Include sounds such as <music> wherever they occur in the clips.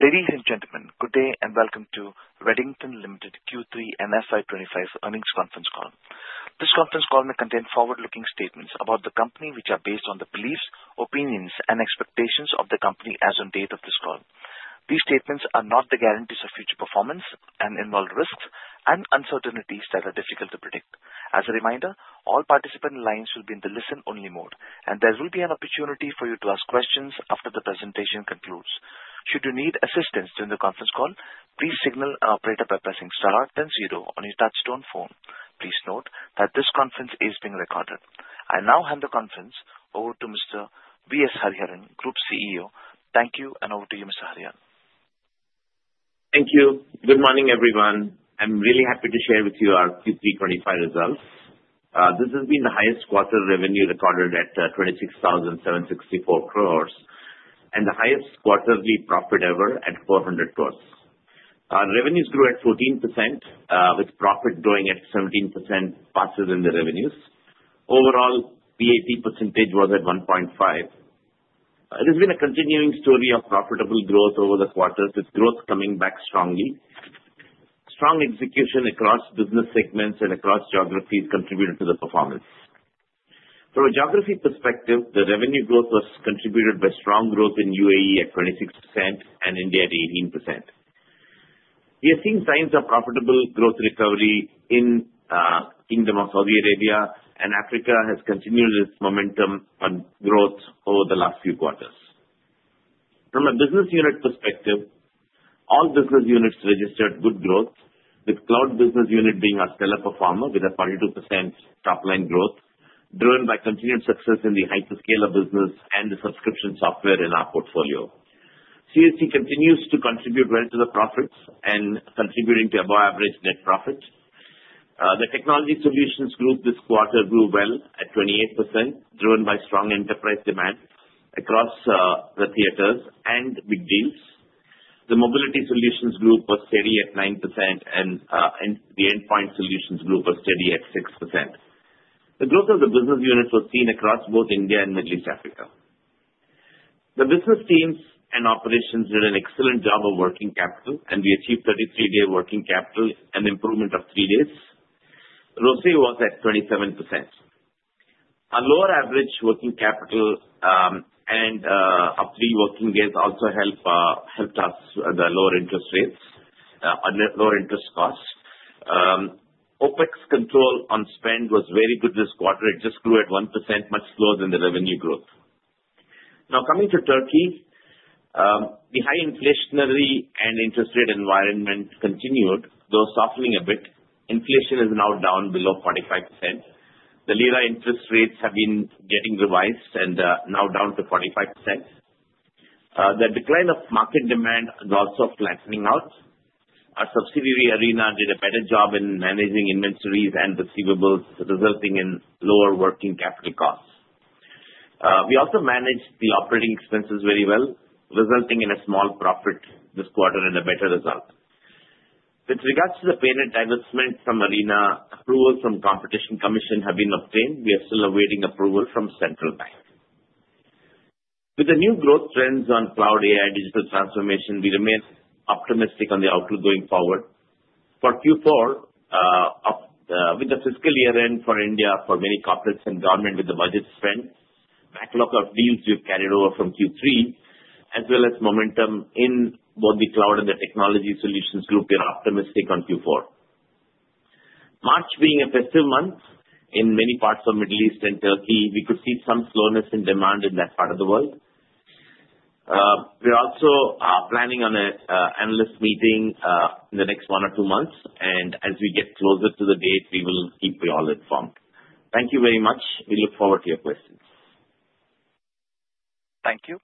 Ladies and gentlemen, good day and Welcome to Redington Limited Q3 and FY25's Earnings Conference Call. This conference call may contain forward-looking statements about the company, which are based on the beliefs, opinions, and expectations of the company as of the date of this call. These statements are not the guarantees of future performance and involve risks and uncertainties that are difficult to predict. As a reminder, all participant lines will be in the listen-only mode, and there will be an opportunity for you to ask questions after the presentation concludes. Should you need assistance during the conference call, please signal an operator by pressing star then zero on your touch-tone phone. Please note that this conference is being recorded. I now hand the conference over to Mr. V.S. Hariharan, Group CEO. Thank you, and over to you, Mr. Hariharan. Thank you. Good morning, everyone. I'm really happy to share with you our Q3 2025 results. This has been the highest quarter revenue recorded at 26,764 crores, and the highest quarterly profit ever at 400 crores. Our revenues grew at 14%, with profit growing at 17% faster than the revenues. Overall, the 18% was at 1.5x. It has been a continuing story of profitable growth over the quarters, with growth coming back strongly. Strong execution across business segments and across geographies contributed to the performance. From a geography perspective, the revenue growth was contributed by strong growth in UAE at 26% and India at 18%. We are seeing signs of profitable growth recovery in the Kingdom of Saudi Arabia, and Africa has continued its momentum on growth over the last few quarters. From a business unit perspective, all business units registered good growth, with Cloud business unit being our stellar performer with a 42% top-line growth, driven by continued success in the hyperscaler business and the subscription software in our portfolio. CSG continues to contribute well to the profits and contributing to above-average net profit. The Technology Solutions Group this quarter grew well at 28%, driven by strong enterprise demand across the theaters and big deals. The Mobility Solutions Group was steady at 9%, and the Endpoint Solutions Group was steady at 6%. The growth of the business units was seen across both India and Middle East Africa. The business teams and operations did an excellent job of working capital, and we achieved 33-day working capital and improvement of three days. ROCE was at 27%. Our lower average working capital and up three working days also helped us with the lower interest rates, lower interest cost. OpEx control on spend was very good this quarter. It just grew at 1%, much slower than the revenue growth. Now, coming to Turkey, the high inflationary and interest rate environment continued, though softening a bit. Inflation is now down below 45%. The lira interest rates have been getting revised and now down to 45%. The decline of market demand is also flattening out. Our subsidiary Arena did a better job in managing inventories and receivables, resulting in lower working capital costs. We also managed the operating expenses very well, resulting in a small profit this quarter and a better result. With regards to the partial divestment from Arena, approval from the Competition Commission has been obtained. We are still awaiting approval from Central Bank. With the new growth trends on Cloud AI digital transformation, we remain optimistic on the outlook going forward. For Q4, with the fiscal year end for India for many corporates and government with the budget spend, backlog of deals we've carried over from Q3, as well as momentum in both the Cloud and the Technology Solutions Group, we are optimistic on Q4. March being a festive month in many parts of Middle East and Turkey, we could see some slowness in demand in that part of the world. We're also planning on an analyst meeting in the next one or two months, and as we get closer to the date, we will keep you all informed. Thank you very much. We look forward to your questions. Thank you.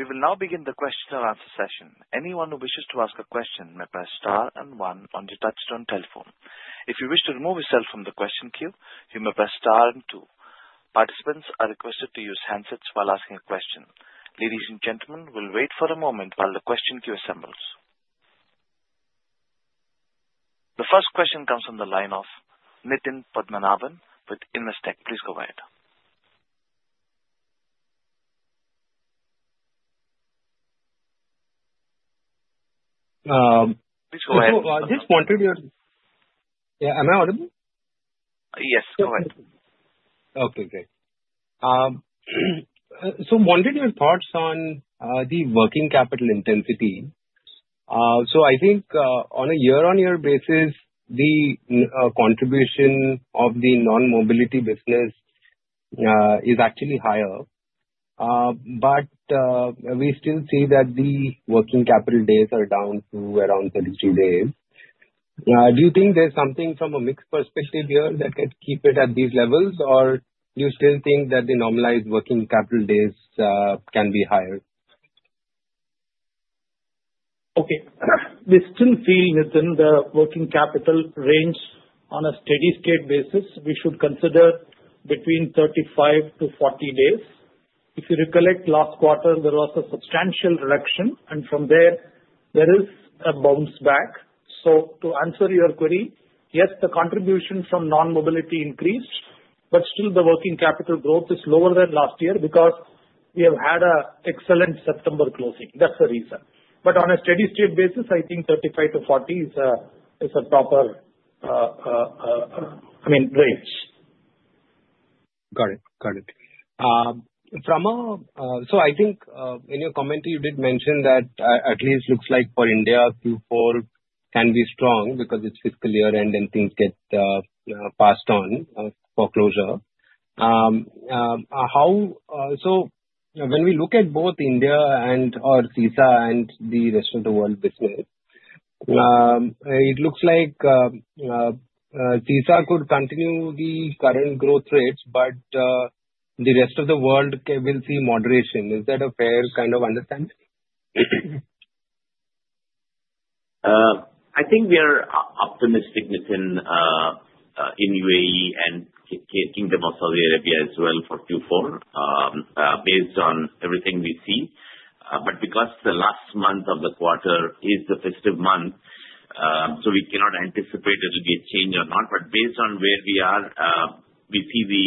We will now begin the question and answer session. Anyone who wishes to ask a question may press star and one on your touch-tone telephone. If you wish to remove yourself from the question queue, you may press star and two. Participants are requested to use handsets while asking a question. Ladies and gentlemen, we'll wait for a moment while the question queue assembles. The first question comes from the line of Nitin Padmanabhan with Investec. Please go ahead. <crosstalk> Yes, go ahead. Okay, great. So I wanted your thoughts on the working capital intensity. So I think on a year-on-year basis, the contribution of the non-mobility business is actually higher, but we still see that the working capital days are down to around 33 days. Do you think there's something from a mixed perspective here that could keep it at these levels, or do you still think that the normalized working capital days can be higher? Okay. We still feel within the working capital range, on a steady-state basis, we should consider between 35-40 days. If you recollect last quarter, there was a substantial reduction, and from there, there is a bounce back. So to answer your query, yes, the contribution from non-mobility increased, but still the working capital growth is lower than last year because we have had an excellent September closing. That's the reason. But on a steady-state basis, I think 35-40 is a proper, I mean, range. Got it. Got it. So I think in your commentary, you did mention that at least it looks like for India, Q4 can be strong because it's fiscal year-end and things get passed on for closure. So when we look at both India and/or CESA and the rest of the world business, it looks like CESA could continue the current growth rates, but the rest of the world will see moderation. Is that a fair kind of understanding? I think we are optimistic within UAE and Kingdom of Saudi Arabia as well for Q4, based on everything we see. But because the last month of the quarter is the festive month, so we cannot anticipate it will be a change or not. But based on where we are, we see the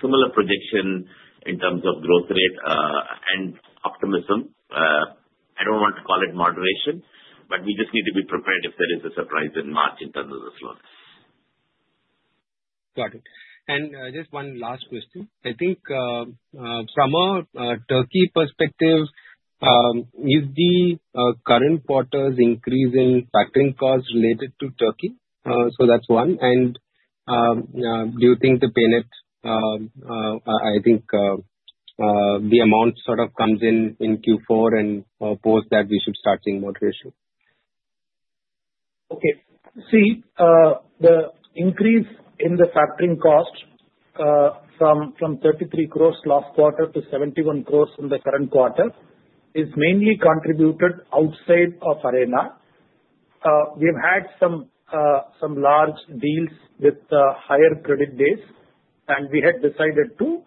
similar projection in terms of growth rate and optimism. I don't want to call it moderation, but we just need to be prepared if there is a surprise in March in terms of the slowness. Got it. And just one last question. I think from a Turkey perspective, is the current quarter's increase in factoring costs related to Turkey? So that's one. And do you think the payment, I think the amount sort of comes in Q4 and post that we should start seeing moderation? Okay. See, the increase in the factoring cost from 33 crores last quarter to 71 crores in the current quarter is mainly contributed outside of Arena. We've had some large deals with higher credit days, and we had decided to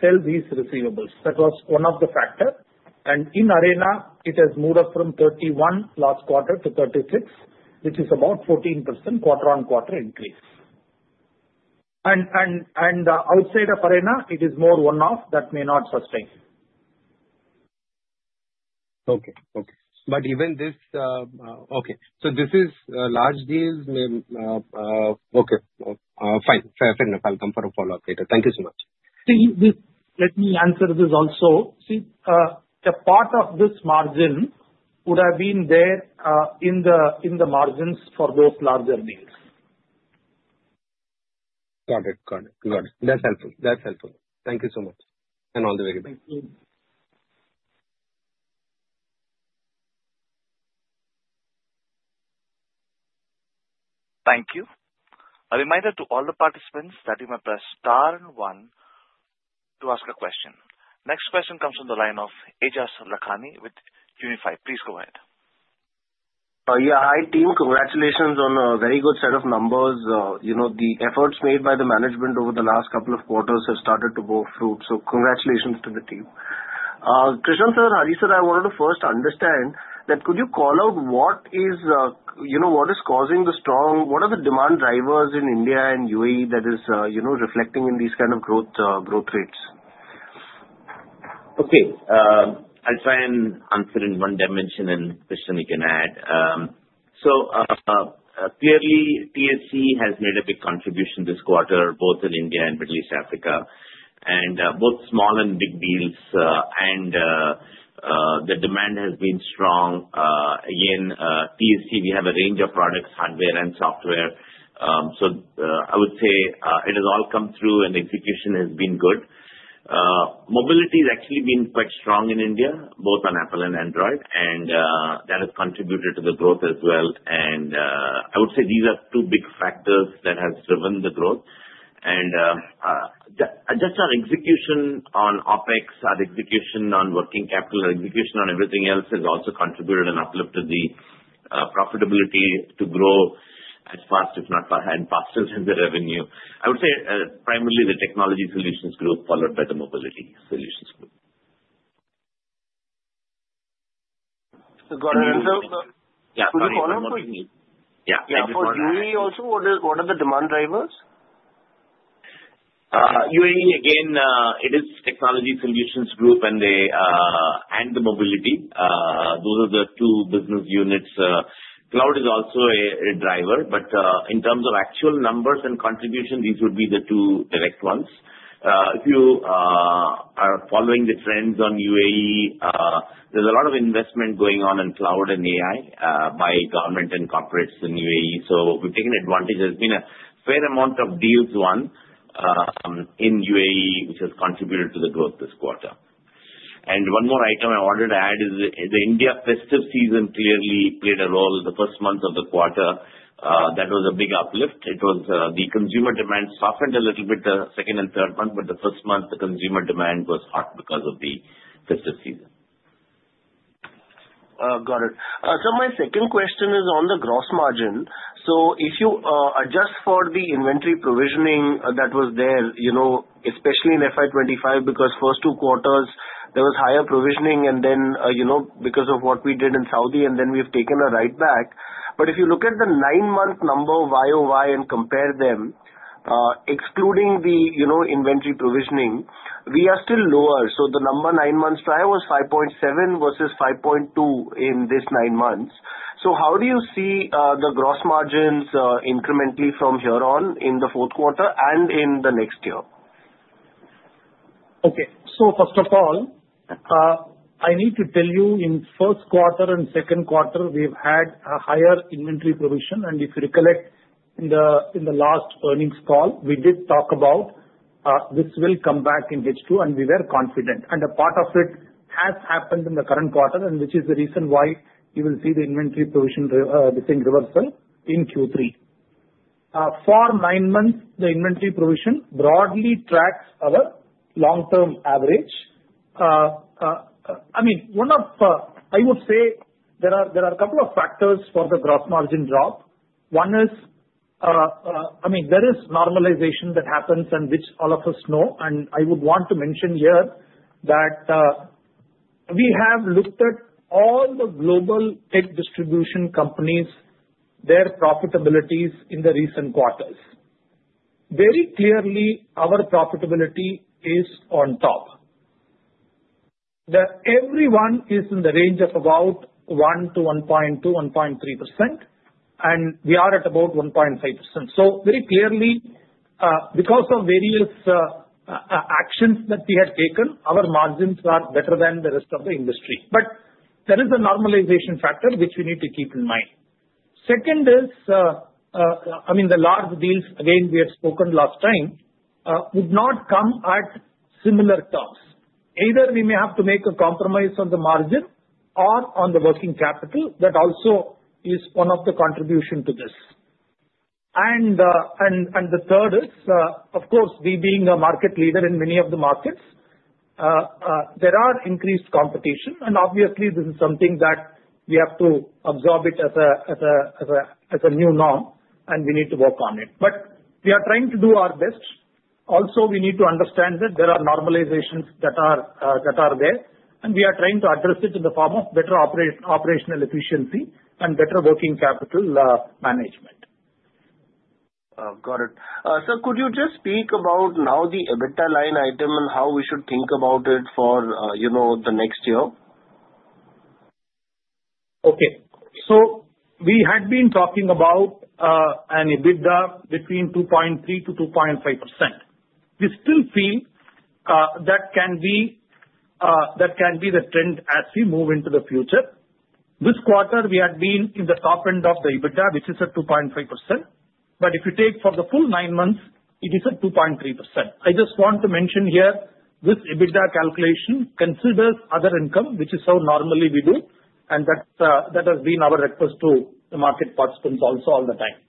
sell these receivables. That was one of the factors. And in Arena, it has moved up from 31 crores last quarter to 36 crores, which is about 14% quarter-on-quarter increase. And outside of Arena, it is more one-off that may not sustain. Okay. But even this, okay, so this is large deals. Fine. Fair enough. I'll come for a follow-up later. Thank you so much. Let me answer this also. See, a part of this margin would have been there in the margins for those larger deals. Got it. That's helpful. Thank you so much and all the very best. Thank you. Thank you. A reminder to all the participants that you may press star and one to ask a question. Next question comes from the line of Aejas Lakhani with Unifi. Please go ahead. Yeah. Hi, team. Congratulations on a very good set of numbers. The efforts made by the management over the last couple of quarters have started to go through. So congratulations to the team. Krishnan and Hariharan, I wanted to first understand that could you call out what is causing the strong—what are the demand drivers in India and UAE that is reflecting in these kind of growth rates? Okay. I'll try and answer in one dimension and Krishnan, you can add, so clearly, TSG has made a big contribution this quarter, both in India and Middle East Africa, and both small and big deals, and the demand has been strong. Again, TSG, we have a range of products, hardware and software, so I would say it has all come through, and the execution has been good. Mobility has actually been quite strong in India, both on Apple and Android, and that has contributed to the growth as well, and I would say these are two big factors that have driven the growth, and just our execution on OpEx, our execution on working capital, our execution on everything else has also contributed and uplifted the profitability to grow as fast, if not faster, than the revenue. I would say primarily the Technology Solutions Group followed by the Mobility Solutions Group. <crosstalk> Got it, and so <crosstalk> For UAE also, what are the demand drivers? UAE, again, it is Technology Solutions Group and the Mobility. Those are the two business units. Cloud is also a driver, but in terms of actual numbers and contribution, these would be the two direct ones. If you are following the trends on UAE, there's a lot of investment going on in Cloud and AI by government and corporates in UAE. So we've taken advantage. There's been a fair amount of deals won in UAE, which has contributed to the growth this quarter. One more item I wanted to add is the India festive season clearly played a role the first month of the quarter. That was a big uplift. The consumer demand softened a little bit the second and third month, but the first month, the consumer demand was hot because of the festive season. Got it. So my second question is on the gross margin. So if you adjust for the inventory provisioning that was there, especially in FY25, because first two quarters, there was higher provisioning, and then because of what we did in Saudi, and then we've taken a write back. But if you look at the nine-month number of YoY and compare them, excluding the inventory provisioning, we are still lower. So the number nine months prior was 5.7 versus 5.2 in these nine months. So how do you see the gross margins incrementally from here on in the Q4 and in the next year? Okay. So first of all, I need to tell you in the Q1 and Q2, we've had a higher inventory provision. And if you recollect in the last earnings call, we did talk about this will come back in H2, and we were confident. And a part of it has happened in the current quarter, and which is the reason why you will see the inventory provision, the same reversal in Q3. For nine months, the inventory provision broadly tracks our long-term average. I mean, I would say there are a couple of factors for the gross margin drop. One is, I mean, there is normalization that happens and which all of us know. And I would want to mention here that we have looked at all the global tech distribution companies, their profitabilities in the recent quarters. Very clearly, our profitability is on top. Everyone is in the range of about 1%-1.2%, 1.3%, and we are at about 1.5%. So very clearly, because of various actions that we had taken, our margins are better than the rest of the industry. But there is a normalization factor which we need to keep in mind. Second is, I mean, the large deals, again, we had spoken last time, would not come at similar terms. Either we may have to make a compromise on the margin or on the working capital. That also is one of the contributions to this. And the third is, of course, we being a market leader in many of the markets, there are increased competition. And obviously, this is something that we have to absorb as a new norm, and we need to work on it. But we are trying to do our best. Also, we need to understand that there are normalizations that are there, and we are trying to address it in the form of better operational efficiency and better working capital management. Got it. So could you just speak about now the EBITDA line item and how we should think about it for the next year? Okay. So we had been talking about an EBITDA between 2.3%-2.5%. We still feel that can be the trend as we move into the future. This quarter, we had been in the top end of the EBITDA, which is at 2.5%. But if you take for the full nine months, it is at 2.3%. I just want to mention here, this EBITDA calculation considers other income, which is how normally we do, and that has been our request to the market participants also all the time.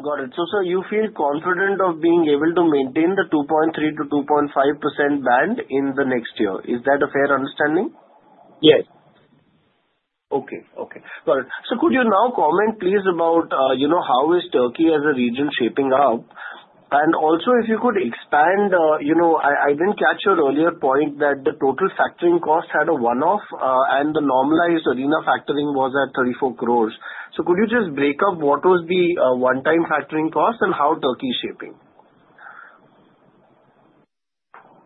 Got it. So you feel confident of being able to maintain the 2.3%-2.5% band in the next year. Is that a fair understanding? Yes. Okay. Okay. Got it. So could you now comment, please, about how is Turkey as a region shaping up? And also, if you could expand, I didn't catch your earlier point that the total factoring cost had a one-off, and the normalized Arena factoring was at 34 crores. So could you just break up what was the one-time factoring cost and how Turkey is shaping?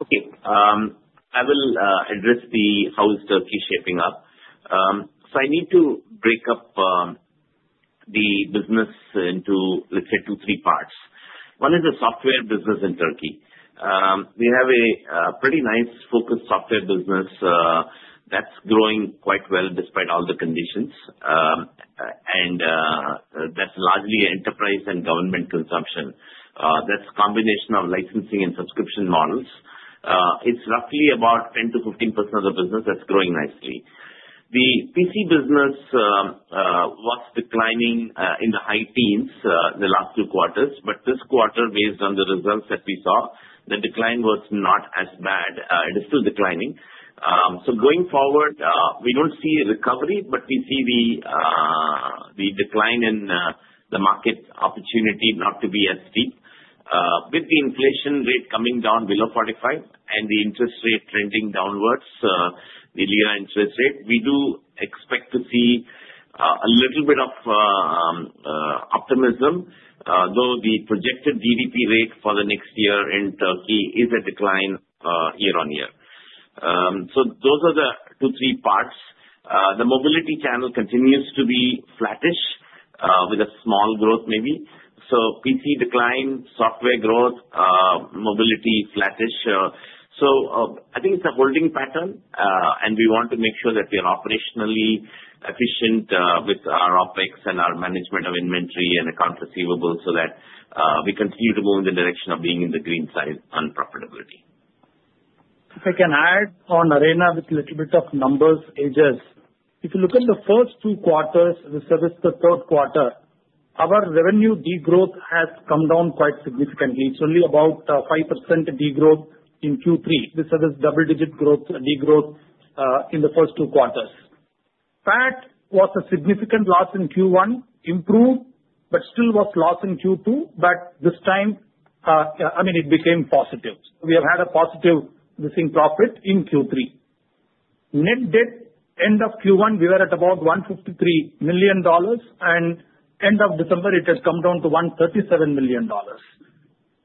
Okay. I will address how is Turkey shaping up. So I need to break up the business into, let's say, two, three parts. One is the software business in Turkey. We have a pretty nice focused software business that's growing quite well despite all the conditions. And that's largely enterprise and government consumption. That's a combination of licensing and subscription models. It's roughly about 10%-15% of the business that's growing nicely. The PC business was declining in the high teens in the last two quarters, but this quarter, based on the results that we saw, the decline was not as bad. It is still declining. So going forward, we don't see a recovery, but we see the decline in the market opportunity not to be as steep. With the inflation rate coming down below 45% and the interest rate trending downwards, the Lira interest rate, we do expect to see a little bit of optimism, though the projected GDP rate for the next year in Turkey is a decline year-on-year. So those are the two, three parts. The mobility channel continues to be flattish with a small growth maybe. So PC decline, software growth, mobility flattish. So I think it's a holding pattern, and we want to make sure that we are operationally efficient with our OpEx and our management of inventory and accounts receivable so that we continue to move in the direction of being in the green side on profitability. If I can add on Arena with a little bit of numbers, Aejas, if you look at the first two quarters versus the Q3, our revenue degrowth has come down quite significantly. It's only about 5% degrowth in Q3. This is double-digit degrowth in the first two quarters. That was a significant loss in Q1, improved, but still was loss in Q2, but this time, I mean, it became positive. We have had a positive EBIT margin in Q3. Net debt end of Q1, we were at about $153 million, and end of December, it had come down to $137 million.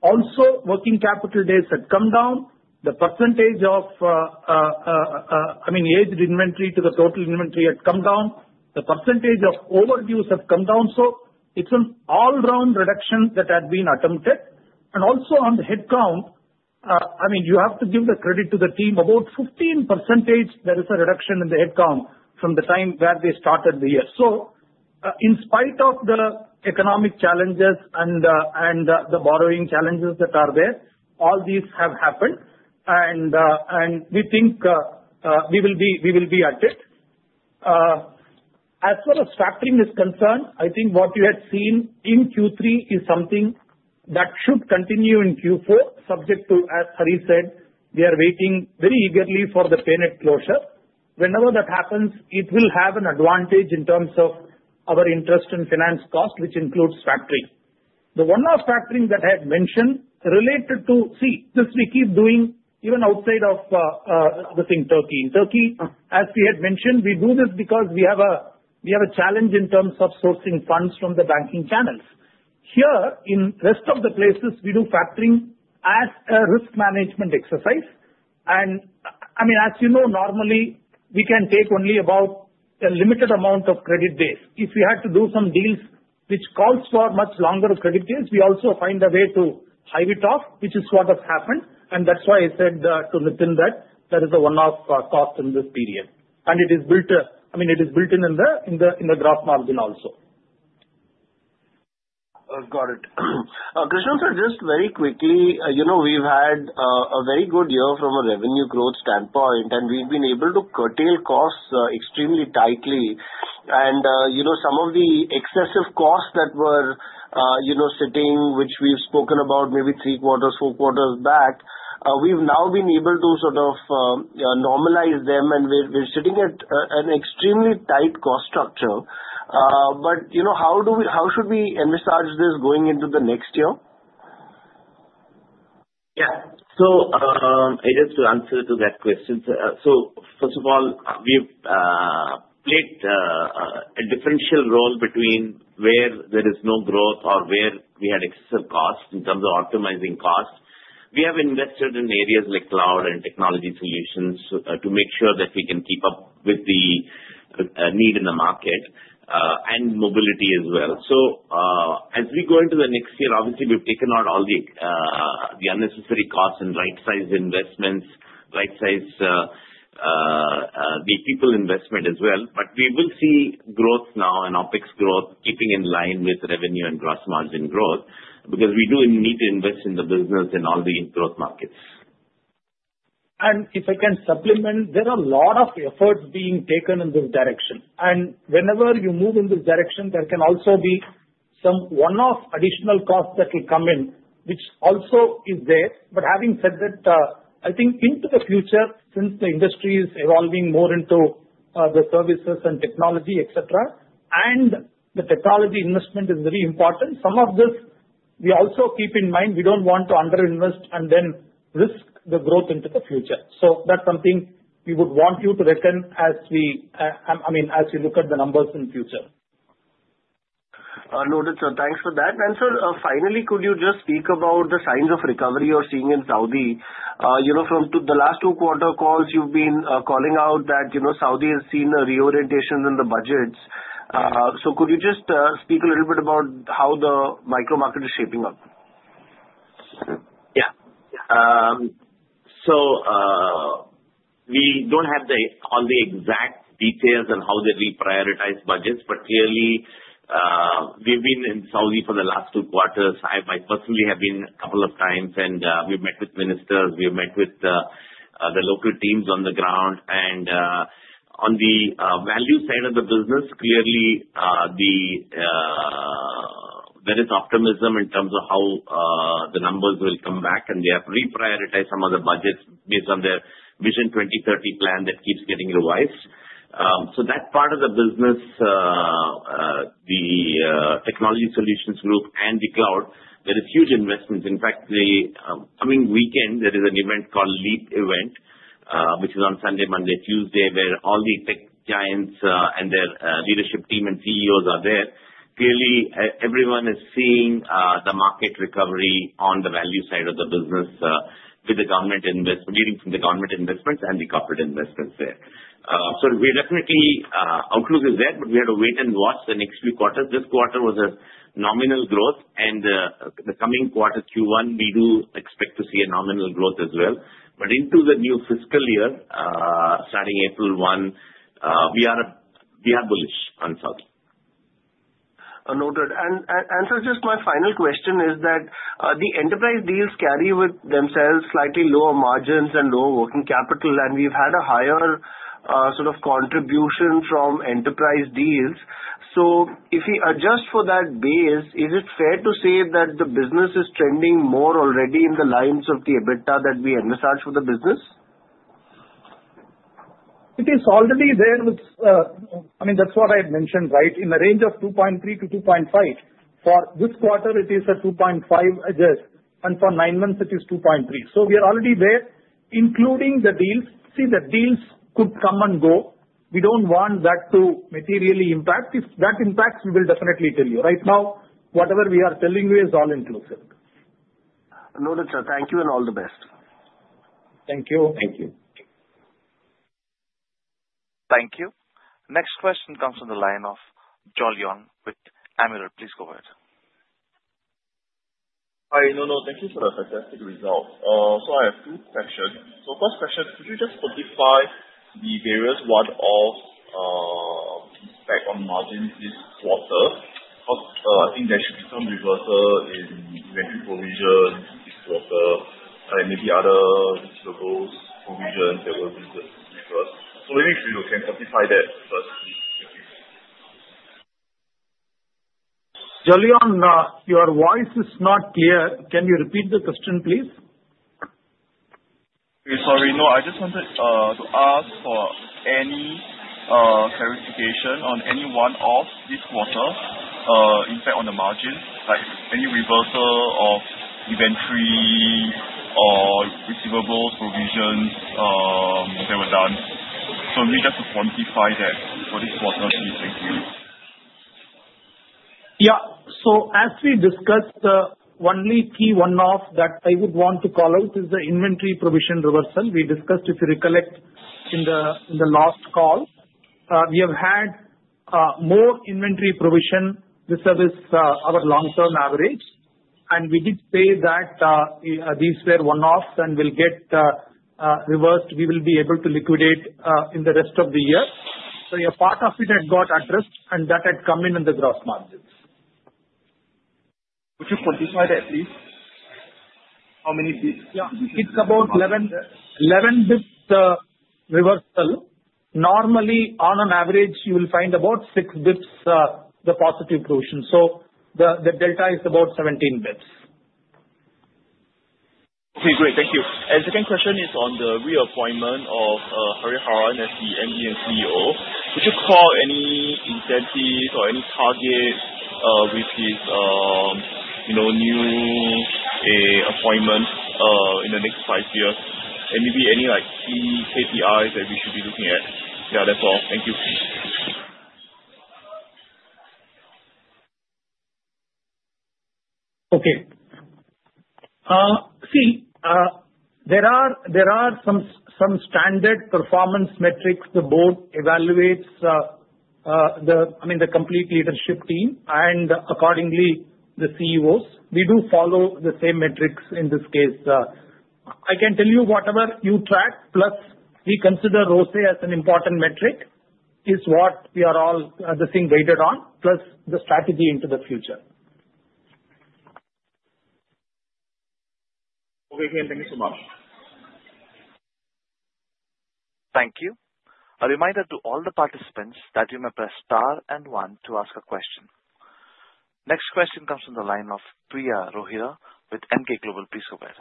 Also, working capital days had come down. The percentage of, I mean, aged inventory to the total inventory had come down. The percentage of overdues have come down. So it's an all-round reduction that had been attempted. Also on the headcount, I mean, you have to give the credit to the team. About 15%, that is a reduction in the headcount from the time that they started the year. In spite of the economic challenges and the borrowing challenges that are there, all these have happened, and we think we will be at it. As far as factoring is concerned, I think what you had seen in Q3 is something that should continue in Q4, subject to, as Hari said, we are waiting very eagerly for the payment closure. Whenever that happens, it will have an advantage in terms of our interest and finance cost, which includes factoring. The one-off factoring that I had mentioned related to, see, this we keep doing even outside of, I think, Turkey. In Turkey, as we had mentioned, we do this because we have a challenge in terms of sourcing funds from the banking channels. Here, in the rest of the places, we do factoring as a risk management exercise. And I mean, as you know, normally, we can take only about a limited amount of credit days. If we had to do some deals which call for much longer credit days, we also find a way to hive it off, which is what has happened. And that's why I said to within that, that is the one-off cost in this period. And it is built, I mean, it is built in the gross margin also. Got it. Krishnan, just very quickly, we've had a very good year from a revenue growth standpoint, and we've been able to curtail costs extremely tightly. And some of the excessive costs that were sitting, which we've spoken about maybe three quarters, four quarters back, we've now been able to sort of normalize them, and we're sitting at an extremely tight cost structure. But how should we envisage this going into the next year? Yeah. So just to answer to that question, so first of all, we've played a differential role between where there is no growth or where we had excessive costs in terms of optimizing costs. We have invested in areas like cloud and technology solutions to make sure that we can keep up with the need in the market and mobility as well. So as we go into the next year, obviously, we've taken out all the unnecessary costs and right-sized investments, right-sized people investment as well. But we will see growth now and OpEx growth keeping in line with revenue and gross margin growth because we do need to invest in the business and all the growth markets. And if I can supplement, there are a lot of efforts being taken in this direction. And whenever you move in this direction, there can also be some one-off additional costs that will come in, which also is there. But having said that, I think into the future, since the industry is evolving more into the services and technology, et cetera, and the technology investment is very important, some of this, we also keep in mind, we don't want to underinvest and then risk the growth into the future. So that's something we would want you to reckon as we, I mean, as we look at the numbers in the future. Noted. So thanks for that. And so finally, could you just speak about the signs of recovery you're seeing in Saudi? From the last two quarter calls, you've been calling out that Saudi has seen a reorientation in the budgets. So could you just speak a little bit about how the macro market is shaping up? Yeah. So we don't have all the exact details on how they reprioritize budgets, but clearly, we've been in Saudi for the last two quarters. I personally have been a couple of times, and we've met with ministers. We've met with the local teams on the ground. And on the value side of the business, clearly, there is optimism in terms of how the numbers will come back, and they have reprioritized some of the budgets based on their Vision 2030 plan that keeps getting revised. So that part of the business, the technology solutions group, and the cloud, there is huge investment. In fact, the coming weekend, there is an event called LEAP event, which is on Sunday, Monday, Tuesday, where all the tech giants and their leadership team and CEOs are there. Clearly, everyone is seeing the market recovery on the value side of the business with the government investment, leading from the government investments and the corporate investments there. So we definitely outlook is there, but we had to wait and watch the next few quarters. This quarter was a nominal growth, and the coming quarter, Q1, we do expect to see a nominal growth as well. But into the new fiscal year, starting April 1, we are bullish on Saudi. Noted. And answer just my final question is that the enterprise deals carry with themselves slightly lower margins and lower working capital, and we've had a higher sort of contribution from enterprise deals. So if we adjust for that base, is it fair to say that the business is trending more already in the lines of the EBITDA that we envisage for the business? It is already there. I mean, that's what I had mentioned, right? In the range of 2.3%-2.5%. For this quarter, it is a 2.5%, Aejas, and for nine months, it is 2.3%. So we are already there, including the deals. See, the deals could come and go. We don't want that to materially impact. If that impacts, we will definitely tell you. Right now, whatever we are telling you is all inclusive. Noted. Thank you and all the best. Thank you. Thank you. Thank you. Next question comes on the line of Jolyon with Amiral. Please go ahead. Hi. No, no. Thank you for a fantastic result. So I have two questions. So first question, could you just quantify the various one-off impacts on margin this quarter? I think there should be some reversal in revenue provision this quarter, and maybe other repos provision that will be reversed. So maybe if you can quantify that first, please. Jolyon, your voice is not clear. Can you repeat the question, please? Sorry. No, I just wanted to ask for any clarification on any one-off this quarter, impact on the margin, like any reversal of inventory or receivables provisions that were done. So maybe just to quantify that for this quarter, please. Thank you. Yeah. So as we discussed, the only key one-off that I would want to call out is the inventory provision reversal. We discussed, if you recollect, in the last call, we have had more inventory provision versus our long-term average. And we did say that these were one-offs and will get reversed. We will be able to liquidate in the rest of the year. So a part of it had got addressed, and that had come in in the gross margins. Could you quantify that, please? How many basis points? Yeah. It's about 11 basis points reversal. Normally, on an average, you will find about six basis points the positive provision, so the delta is about 17 basis points. Okay. Great. Thank you. And the second question is on the reappointment of Hariharan as the MD and CEO. Would you call any incentives or any targets with his new appointment in the next five years? And maybe any key KPIs that we should be looking at. Yeah, that's all. Thank you. Okay. See, there are some standard performance metrics the board evaluates, I mean, the complete leadership team, and accordingly, the CEOs. We do follow the same metrics in this case. I can tell you whatever you track, plus we consider ROCE as an important metric is what we are all, I think, weighed on, plus the strategy into the future. Okay. Thank you so much. Thank you. A reminder to all the participants that you may press star and one to ask a question. Next question comes from the line of Priya Rohira with Emkay Global. Please go ahead.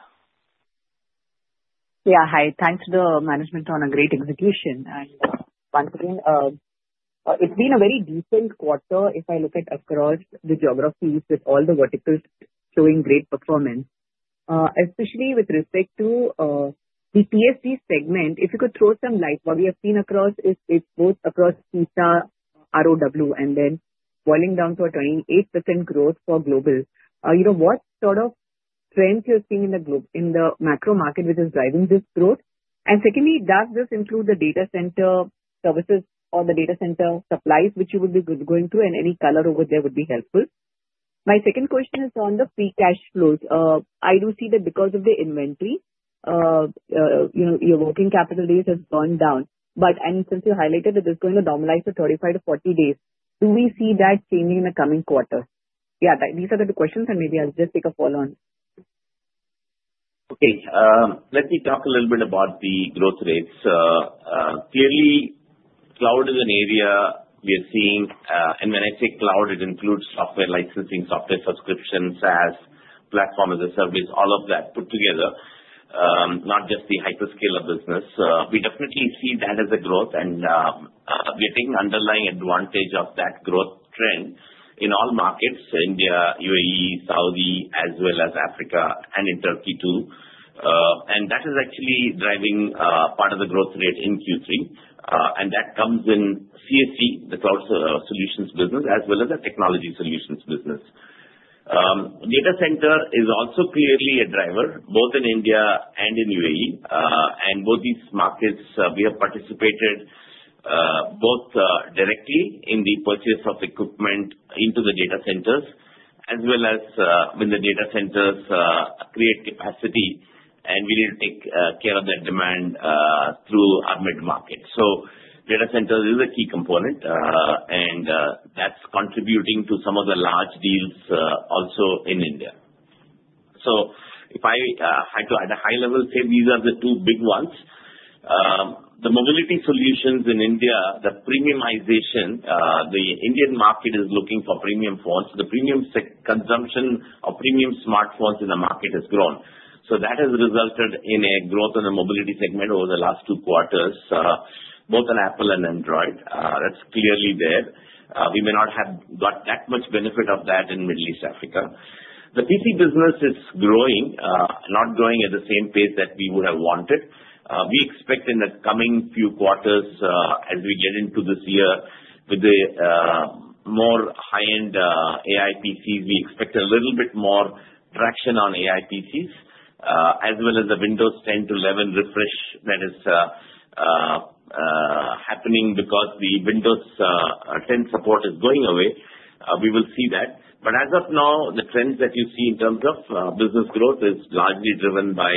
Yeah. Hi. Thanks to the management on a great execution. Once again, it's been a very decent quarter if I look at across the geographies with all the verticals showing great performance, especially with respect to the TSG segment. If you could throw some light, what we have seen across is it's both across SETA, ROW, and then boiling down to a 28% growth for global. What sort of trends you're seeing in the macro market which is driving this growth? And secondly, does this include the data center services or the data center supplies, which you would be going through, and any color over there would be helpful. My second question is on the free cash flows. I do see that because of the inventory, your working capital days have gone down. Since you highlighted that it's going to normalize for 35-40 days, do we see that changing in the coming quarter? Yeah, these are the two questions, and maybe I'll just take a follow-on. Okay. Let me talk a little bit about the growth rates. Clearly, cloud is an area we are seeing. And when I say cloud, it includes software licensing, software subscriptions, SaaS, platform as a service, all of that put together, not just the hyperscaler business. We definitely see that as a growth, and we are taking underlying advantage of that growth trend in all markets: India, UAE, Saudi, as well as Africa, and in Turkey too. And that is actually driving part of the growth rate in Q3. And that comes in CSC, the cloud solutions business, as well as the technology solutions business. Data center is also clearly a driver, both in India and in UAE. And both these markets, we have participated both directly in the purchase of equipment into the data centers, as well as when the data centers create capacity, and we need to take care of that demand through our mid-market. So data centers is a key component, and that's contributing to some of the large deals also in India. So if I had to, at a high level, say these are the two big ones. The mobility solutions in India, the premiumization, the Indian market is looking for premium phones. The premium consumption of premium smartphones in the market has grown. So that has resulted in a growth in the mobility segment over the last two quarters, both on Apple and Android. That's clearly there. We may not have got that much benefit of that in Middle East Africa. The PC business is growing, not growing at the same pace that we would have wanted. We expect in the coming few quarters, as we get into this year with the more high-end AI PCs, we expect a little bit more traction on AI PCs, as well as the Windows 10 to 11 refresh that is happening because the Windows 10 support is going away. We will see that. But as of now, the trends that you see in terms of business growth is largely driven by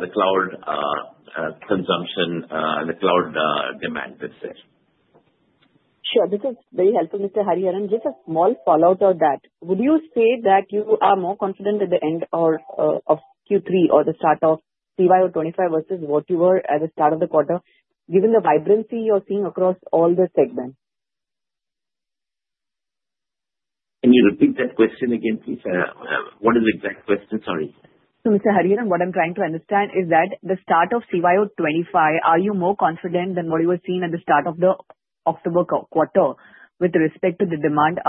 the cloud consumption and the cloud demand that's there. Sure. This is very helpful, Mr. Hariharan. Just a small follow-up to that. Would you say that you are more confident at the end of Q3 or the start of FY25 versus what you were at the start of the quarter, given the vibrancy you're seeing across all the segments? Can you repeat that question again, please? What is the exact question? Sorry. So Mr. Hariharan, what I'm trying to understand is that the start of FY25, are you more confident than what you were seeing at the start of the October quarter with respect to the demand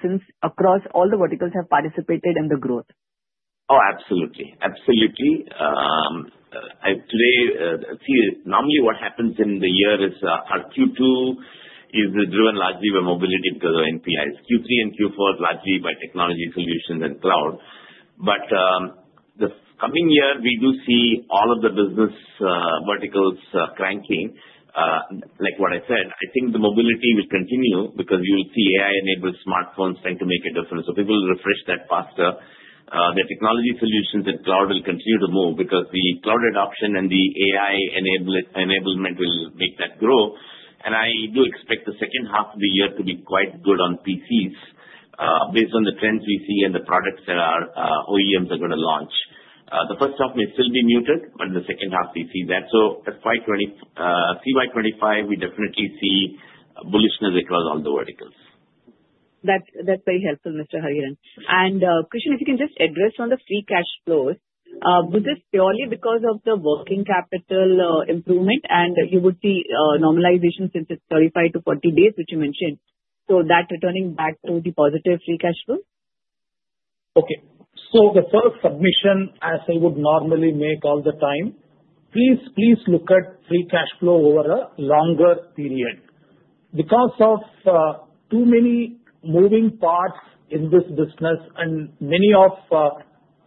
since across all the verticals have participated in the growth? Oh, absolutely. Absolutely. Today, see, normally what happens in the year is our Q2 is driven largely by mobility because of NPIs. Q3 and Q4 are largely by technology solutions and cloud, but the coming year, we do see all of the business verticals cranking. Like what I said, I think the mobility will continue because you will see AI-enabled smartphones tend to make a difference, so people will refresh that faster. The technology solutions and cloud will continue to move because the cloud adoption and the AI enablement will make that grow, and I do expect the second half of the year to be quite good on PCs based on the trends we see and the products that OEMs are going to launch. The first half may still be muted, but in the second half, we see that. So that's why CY25, we definitely see bullishness across all the verticals. That's very helpful, Mr. Hariharan. And Krishnan, if you can just address on the free cash flows, was this purely because of the working capital improvement and you would see normalization since it's 35-40 days, which you mentioned? So that returning back to the positive free cash flow? Okay. So the first submission, as I would normally make all the time, please look at free cash flow over a longer period. Because of too many moving parts in this business and many of,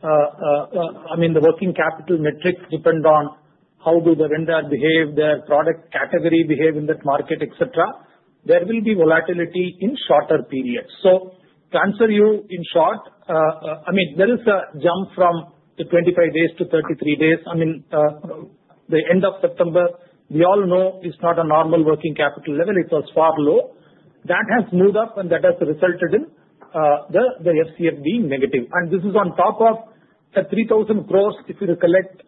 I mean, the working capital metrics depend on how will the vendor behave, their product category behave in that market, etc., there will be volatility in shorter periods. So to answer you in short, I mean, there is a jump from the 25 days to 33 days. I mean, the end of September, we all know it's not a normal working capital level. It was far low. That has moved up, and that has resulted in the FCF being negative, and this is on top of the 3,000 crores, if you recollect,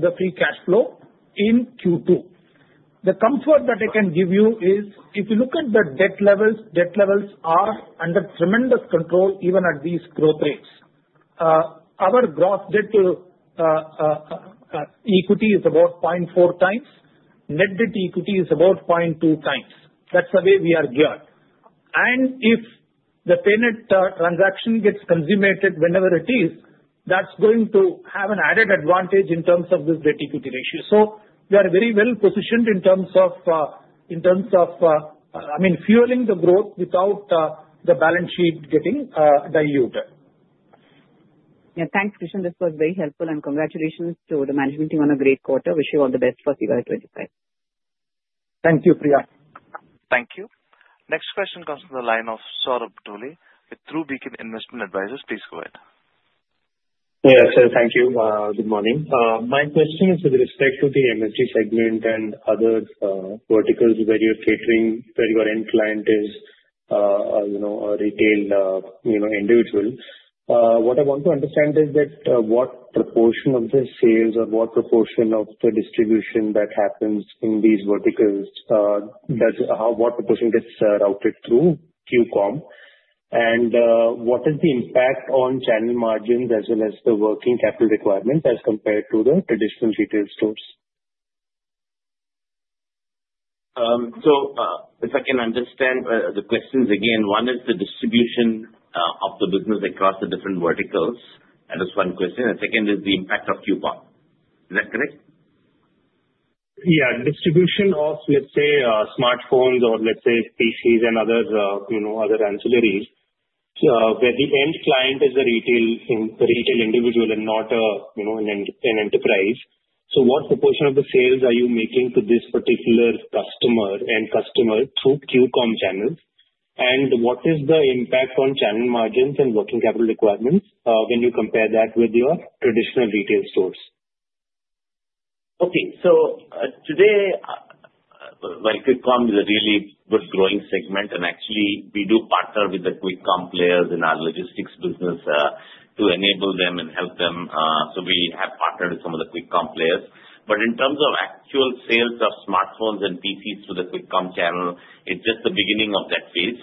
the free cash flow in Q2. The comfort that I can give you is if you look at the debt levels, debt levels are under tremendous control even at these growth rates. Our gross debt equity is about 0.4x. Net debt equity is about 0.2x. That's the way we are geared. And if the payment transaction gets consummated whenever it is, that's going to have an added advantage in terms of this debt equity ratio. So we are very well positioned in terms of, I mean, fueling the growth without the balance sheet getting diluted. Yeah. Thanks, Krishnan. This was very helpful, and congratulations to the management team on a great quarter. Wish you all the best for FY25. Thank you, Priya. Thank you. Next question comes from the line of Saurabh Dhole with True Beacon Investment Advisors. Please go ahead. Yeah. Thank you. Good morning. My question is with respect to the MSG segment and other verticals where you're catering, where your end client is a retail individual. What I want to understand is that what proportion of the sales or what proportion of the distribution that happens in these verticals, what proportion gets routed through QCOM, and what is the impact on channel margins as well as the working capital requirements as compared to the traditional retail stores? So if I can understand the questions again, one is the distribution of the business across the different verticals. That is one question. And second is the impact of QCOM. Is that correct? Yeah. Distribution of, let's say, smartphones or, let's say, PCs and other ancillaries where the end client is a retail individual and not an enterprise. So what proportion of the sales are you making to this particular customer through QCOM channels? And what is the impact on channel margins and working capital requirements when you compare that with your traditional retail stores? Okay, so today, quick commerce is a really good growing segment, and actually, we do partner with the quick commerce players in our logistics business to enable them and help them. So we have partnered with some of the quick commerce players. But in terms of actual sales of smartphones and PCs through the quick commerce channel, it's just the beginning of that phase.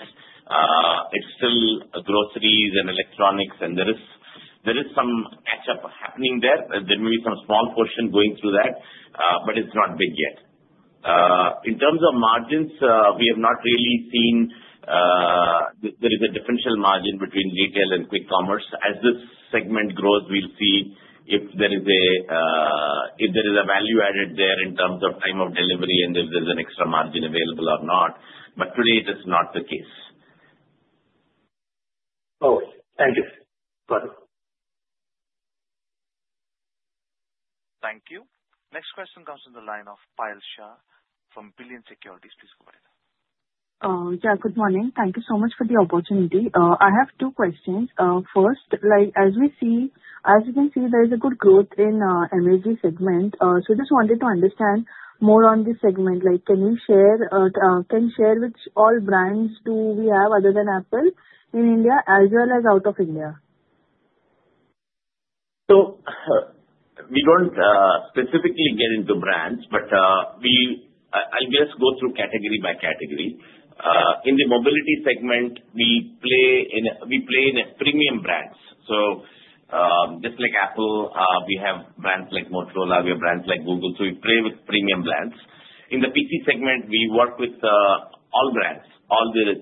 It's still groceries and electronics, and there is some catch-up happening there. There may be some small portion going through that, but it's not big yet. In terms of margins, we have not really seen there is a differential margin between retail and quick commerce. As this segment grows, we'll see if there is a value added there in terms of time of delivery and if there's an extra margin available or not. But today, that's not the case. Oh, thank you. Got it. Thank you. Next question comes from the line of Payal Shah from Billion Securities. Please go ahead. Yeah. Good morning. Thank you so much for the opportunity. I have two questions. First, as we can see, there is a good growth in the MSG segment. So I just wanted to understand more on this segment. Can you share which all brands do we have other than Apple in India as well as out of India? We don't specifically get into brands, but I'll just go through category by category. In the mobility segment, we play in premium brands. Just like Apple, we have brands like Motorola, we have brands like Google. We play with premium brands. In the PC segment, we work with all brands, all the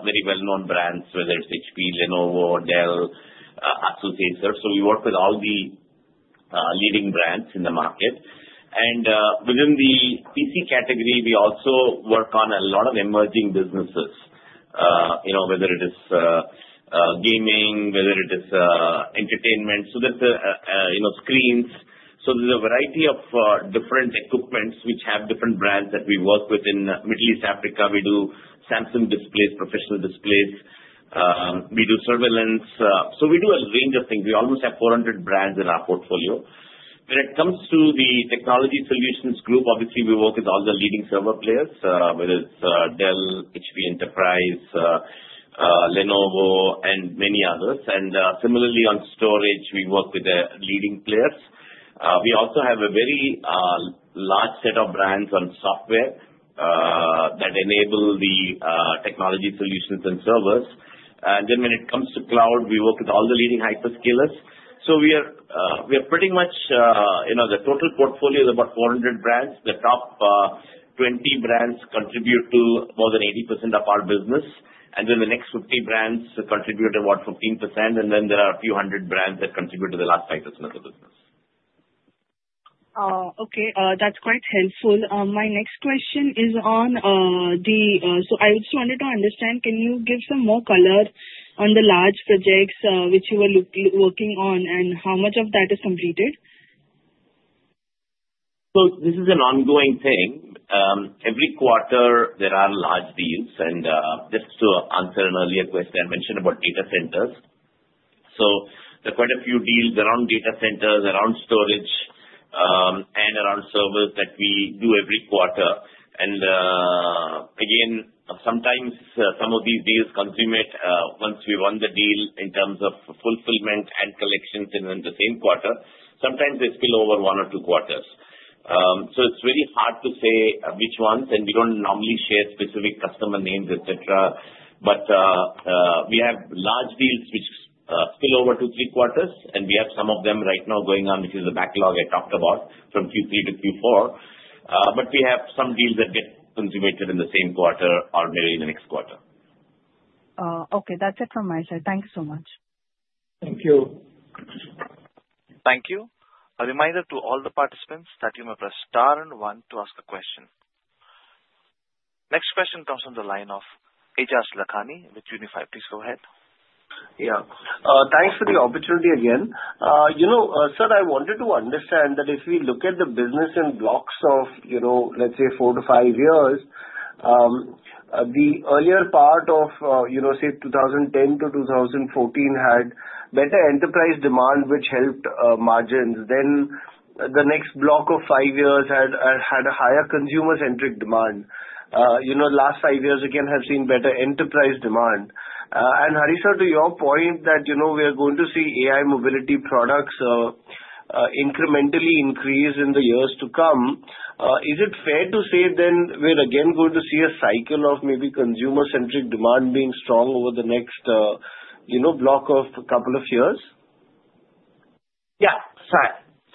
very well-known brands, whether it's HP, Lenovo, Dell, ASUS, Acer servers. We work with all the leading brands in the market. Within the PC category, we also work on a lot of emerging businesses, whether it is gaming, whether it is entertainment. There's screens. There's a variety of different equipments which have different brands that we work with in Middle East Africa. We do Samsung displays, professional displays. We do surveillance. We do a range of things. We almost have 400 brands in our portfolio. When it comes to the technology solutions group, obviously, we work with all the leading server players, whether it's Dell, HP Enterprise, Lenovo, and many others. And similarly, on storage, we work with the leading players. We also have a very large set of brands on software that enable the technology solutions and servers. And then when it comes to cloud, we work with all the leading hyperscalers. So we are pretty much the total portfolio is about 400 brands. The top 20 brands contribute to more than 80% of our business, and then the next 50 brands contribute about 15%. And then there are a few hundred brands that contribute to the last 5% of the business. Okay. That's quite helpful. My next question is, so I just wanted to understand, can you give some more color on the large projects which you were working on and how much of that is completed? So this is an ongoing thing. Every quarter, there are large deals. And just to answer an earlier question, I mentioned about data centers. So there are quite a few deals around data centers, around storage, and around servers that we do every quarter. And again, sometimes some of these deals consummate once we run the deal in terms of fulfillment and collections in the same quarter. Sometimes they spill over one or two quarters. So it's very hard to say which ones, and we don't normally share specific customer names, et cetera. But we have large deals which spill over two to three quarters, and we have some of them right now going on, which is the backlog I talked about from Q3 to Q4. But we have some deals that get consummated in the same quarter or maybe in the next quarter. Okay. That's it from my side. Thank you so much. Thank you. Thank you. A reminder to all the participants that you may press star and one to ask a question. Next question comes from the line of Aejas Lakhani with Unifi. Please go ahead. Yeah. Thanks for the opportunity again. Sir, I wanted to understand that if we look at the business in blocks of, let's say, four to five years, the earlier part of, say, 2010-2014 had better enterprise demand, which helped margins. Then the next block of five years had a higher consumer-centric demand. The last five years, again, have seen better enterprise demand. And listened, to your point that we are going to see AI mobility products incrementally increase in the years to come, is it fair to say then we're again going to see a cycle of maybe consumer-centric demand being strong over the next block of a couple of years? Yeah. So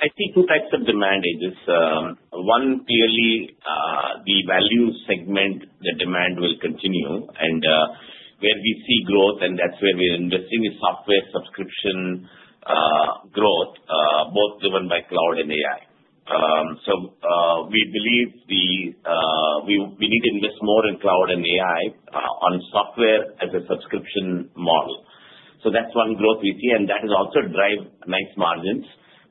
I see two types of demand phases. One, clearly, the value segment, the demand will continue. And where we see growth, and that's where we're investing in software subscription growth, both driven by cloud and AI. So we believe we need to invest more in cloud and AI on software as a subscription model. So that's one growth we see, and that is also drives nice margins.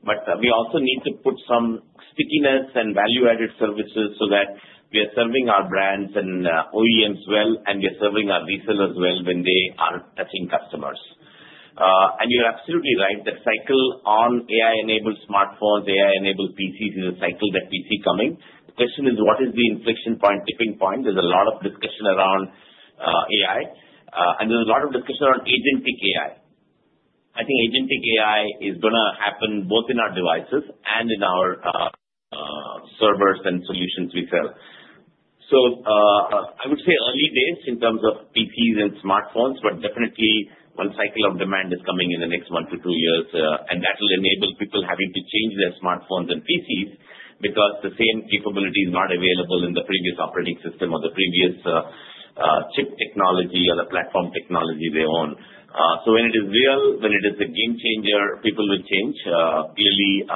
But we also need to put some stickiness and value-added services so that we are serving our brands and OEMs well, and we are serving our resellers well when they are touching customers. And you're absolutely right. The cycle on AI-enabled smartphones, AI-enabled PCs is a cycle that we see coming. The question is, what is the inflection point, tipping point? There's a lot of discussion around AI, and there's a lot of discussion around agentic AI. I think Agentic AI is going to happen both in our devices and in our servers and solutions we sell. So I would say early days in terms of PCs and smartphones, but definitely one cycle of demand is coming in the next one-to-two years, and that will enable people having to change their smartphones and PCs because the same capability is not available in the previous operating system or the previous chip technology or the platform technology they own. So when it is real, when it is a game changer, people will change. Clearly,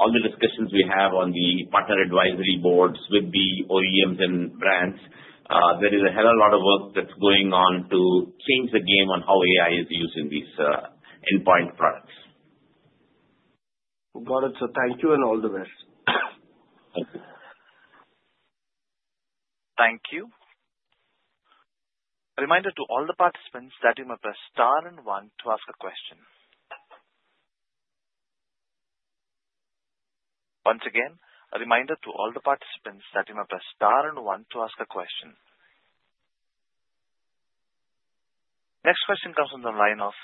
all the discussions we have on the partner advisory boards with the OEMs and brands, there is a hell of a lot of work that's going on to change the game on how AI is used in these endpoint products. Got it. So thank you and all the best. Thank you. Thank you. A reminder to all the participants that you may press star and one to ask a question. Once again, a reminder to all the participants that you may press star and one to ask a question. Next question comes from the line of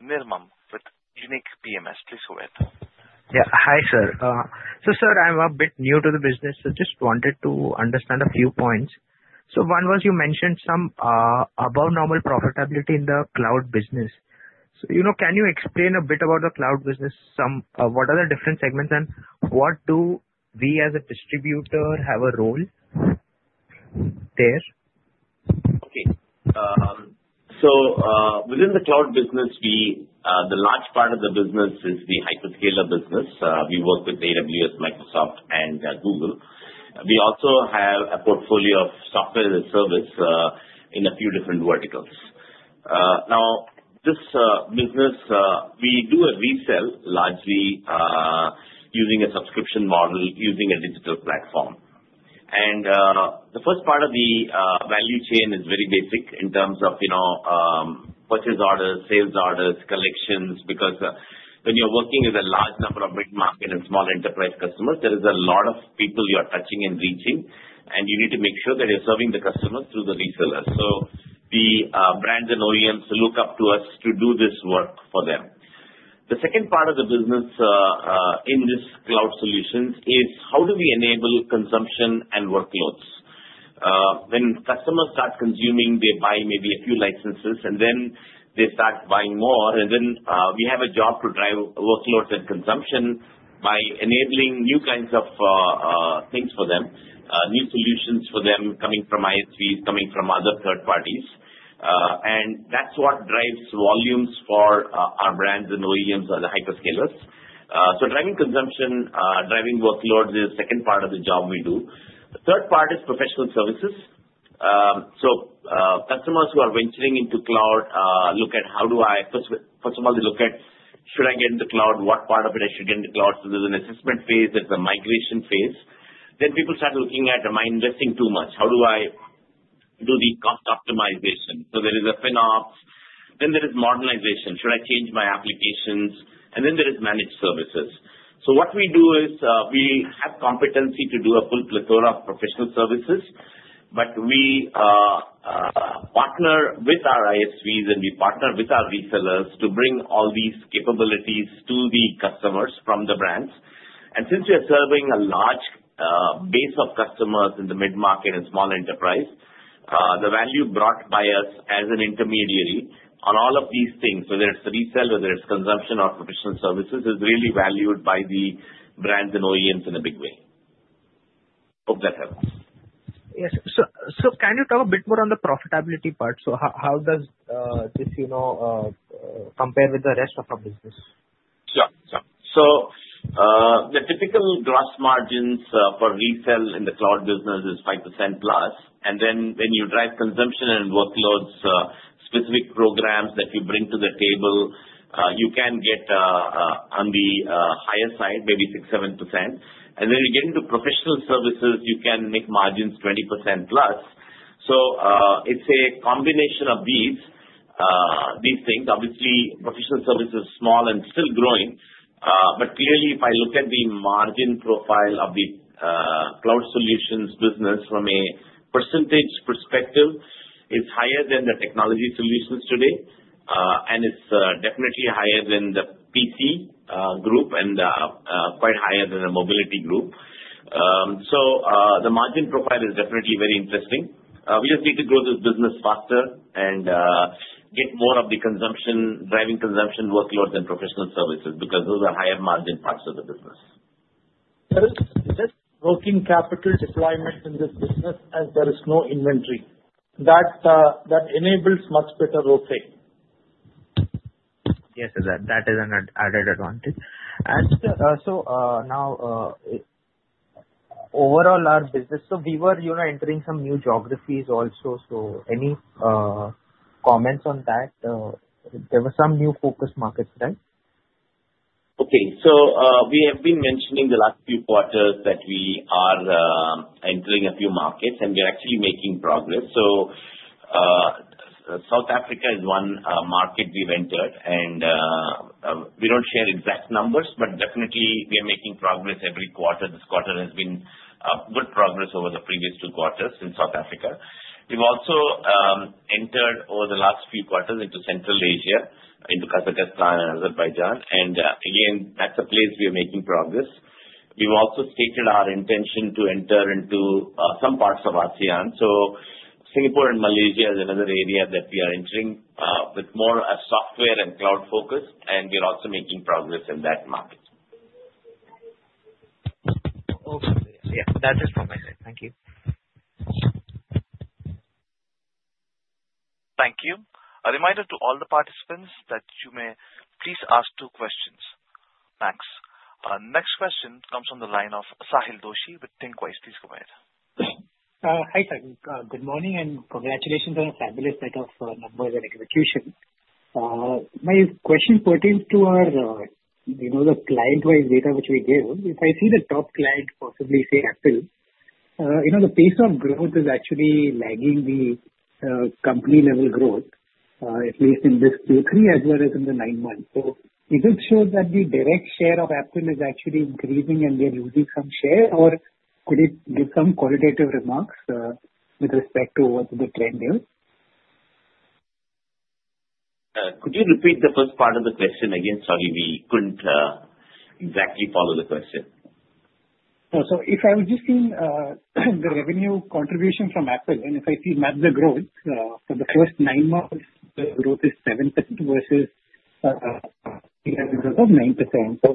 Nirmam with Unique PMS. Please go ahead. Yeah. Hi, sir. So sir, I'm a bit new to the business, so just wanted to understand a few points. So one was you mentioned some above-normal profitability in the cloud business. So can you explain a bit about the cloud business? What are the different segments, and what do we as a distributor have a role there? Okay. So within the cloud business, the large part of the business is the hyperscaler business. We work with AWS, Microsoft, and Google. We also have a portfolio of software as a service in a few different verticals. Now, this business, we do a resell largely using a subscription model using a digital platform. And the first part of the value chain is very basic in terms of purchase orders, sales orders, collections, because when you're working with a large number of mid-market and small enterprise customers, there is a lot of people you're touching and reaching, and you need to make sure that you're serving the customers through the resellers. So the brands and OEMs look up to us to do this work for them. The second part of the business in this cloud solution is how do we enable consumption and workloads? When customers start consuming, they buy maybe a few licenses, and then they start buying more, and then we have a job to drive workloads and consumption by enabling new kinds of things for them, new solutions for them coming from ISVs, coming from other third parties, and that's what drives volumes for our brands and OEMs or the hyperscalers, so driving consumption, driving workloads is the second part of the job we do. The third part is professional services, so customers who are venturing into cloud look at, how do I first of all, they look at, should I get into cloud? What part of it I should get into cloud? So there's an assessment phase. There's a migration phase, then people start looking at, am I investing too much? How do I do the cost optimization? So there is a FinOps. Then there is modernization. Should I change my applications? And then there is managed services. So what we do is we have competency to do a full plethora of professional services, but we partner with our ISVs, and we partner with our resellers to bring all these capabilities to the customers from the brands. And since we are serving a large base of customers in the mid-market and small enterprise, the value brought by us as an intermediary on all of these things, whether it's resell, whether it's consumption or professional services, is really valued by the brands and OEMs in a big way. Hope that helps. Yes. So can you talk a bit more on the profitability part? So how does this compare with the rest of our business? Sure. So the typical gross margins for resell in the cloud business is 5%+. And then when you drive consumption and workloads, specific programs that you bring to the table, you can get on the higher side, maybe 6%-7%. And then you get into professional services, you can make margins 20% plus. So it's a combination of these things. Obviously, professional services are small and still growing. But clearly, if I look at the margin profile of the cloud solutions business from a percentage perspective, it's higher than the technology solutions today, and it's definitely higher than the PC group and quite higher than the mobility group. So the margin profile is definitely very interesting. We just need to grow this business faster and get more of the driving consumption workloads and professional services because those are higher margin parts of the business. There is working capital deployment in this business, and there is no inventory. That enables much better rotation. Yes, that is an added advantage, and so now, overall, our business, so we were entering some new geographies also, so any comments on that? There were some new focus markets, right? Okay. So we have been mentioning the last few quarters that we are entering a few markets, and we're actually making progress. So South Africa is one market we've entered, and we don't share exact numbers, but definitely, we are making progress every quarter. This quarter has been good progress over the previous two quarters in South Africa. We've also entered over the last few quarters into Central Asia, into Kazakhstan and Azerbaijan. And again, that's a place we are making progress. We've also stated our intention to enter into some parts of ASEAN. So Singapore and Malaysia is another area that we are entering with more software and cloud focus, and we're also making progress in that market. Okay. Yeah. That is from my side. Thank you. Thank you. A reminder to all the participants that you may please ask two questions. Thanks. Next question comes from the line of Sahil Doshi with Thinqwise. Please go ahead. Hi, Sahil. Good morning, and congratulations on a fabulous set of numbers and execution. My question pertains to the client-wise data which we gave. If I see the top client, possibly say Apple, the pace of growth is actually lagging the company-level growth, at least in this Q3 as well as in the nine months. So it just shows that the direct share of Apple is actually increasing, and they're losing some share, or could it give some qualitative remarks with respect to what the trend is? Could you repeat the first part of the question again? Sorry, we couldn't exactly follow the question. So if I would just see the revenue contribution from Apple, and if I see the growth for the first nine months, the growth is 7% versus the revenue growth of 9%. So